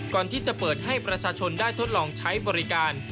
ก่อนที่จะเปิดให้ประชาชนได้ทดลองใช้บริการ